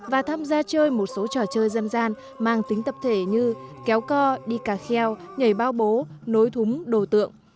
và tham gia chơi một số trò chơi dân gian mang tính tập thể như kéo co đi cà kheo nhảy bao bố nối thúng đồ tượng